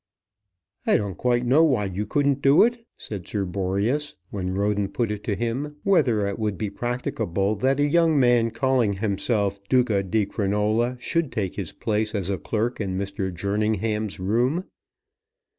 "I don't quite know why you couldn't do it," said Sir Boreas, when Roden put it to him whether it would be practicable that a young man calling himself Duca di Crinola should take his place as a clerk in Mr. Jerningham's room.